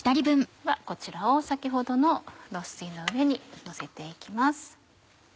こちらを先ほどのロスティーの上にのせて行きます。